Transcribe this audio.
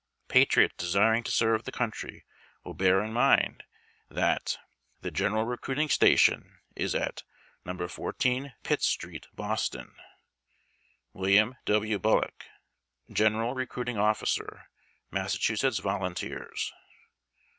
Patriots desiring to serve the country will bear in mind that THE GENERAL RECRUITING STATION TS AT No. 14 FITXS STREET, BOSTON ! WILLIAM W. BULLOCK, General Recruiting Officer, Massachusetts Volunteers.